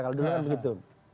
kalau dulu kan begitu